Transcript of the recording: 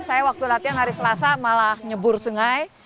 saya waktu latihan hari selasa malah nyebur sungai